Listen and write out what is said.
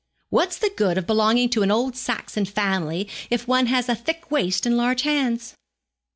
'What's the good of belonging to an old Saxon family if one has a thick waist and large hands?'